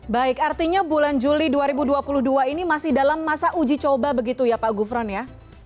baik artinya bulan juli dua ribu dua puluh dua ini masih dalam masa uji coba begitu ya pak gufron ya